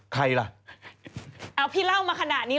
ไม่เอาดีอื้อเขียน